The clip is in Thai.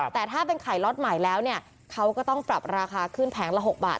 แต่ถ้าเป็นไข่ล็อตใหม่แล้วเนี่ยเขาก็ต้องปรับราคาขึ้นแผงละ๖บาท